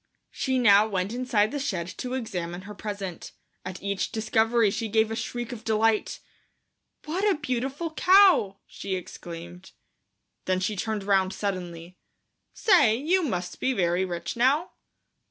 She now went inside the shed to examine her present. At each discovery she gave a shriek of delight. "What a beautiful cow," she exclaimed. Then she turned round suddenly. "Say, you must be very rich now?"